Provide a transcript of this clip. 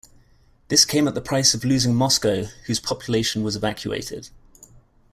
This came at the price of losing Moscow, whose population was evacuated.